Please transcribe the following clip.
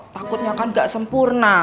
takutnya kan gak sempurna